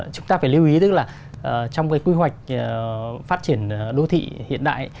chúng ta phải lưu ý tức là trong cái quy hoạch phát triển đô thị hiện đại